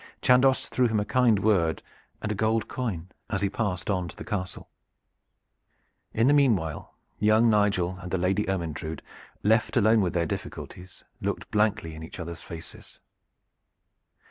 Chandos threw him a kind word and a gold coin as he passed on to the castle. In the meanwhile young Nigel and the Lady Ermyntrude, left alone with their difficulties, looked blankly in each other's faces.